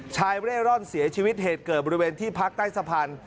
เร่ร่อนเสียชีวิตเหตุเกิดบริเวณที่พักใต้สะพาน